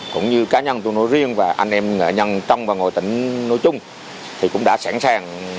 cũng như cá nhân tôi nói riêng và anh em nghệ nhân trong và ngoài tỉnh nói chung thì cũng đã sẵn sàng